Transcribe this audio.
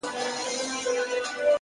مثبت ذهن پر حل تمرکز ساتي!.